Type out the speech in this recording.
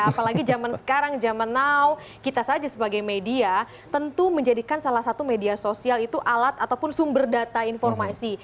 apalagi zaman sekarang zaman now kita saja sebagai media tentu menjadikan salah satu media sosial itu alat ataupun sumber data informasi